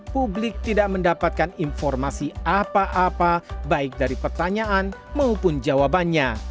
publik tidak mendapatkan informasi apa apa baik dari pertanyaan maupun jawabannya